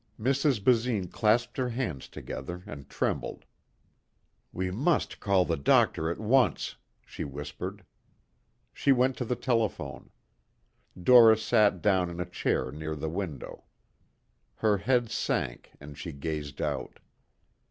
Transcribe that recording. Mrs. Basine clasped her hands together and trembled. "We must call the doctor at once," she whispered. She went to the telephone. Doris sat down in a chair near the window. Her head sank and she gazed out.